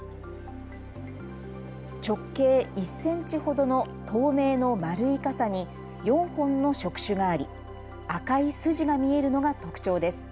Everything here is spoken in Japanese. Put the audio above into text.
直径１センチほどの透明の丸い傘に４本の触手があり赤い筋が見えるのが特徴です。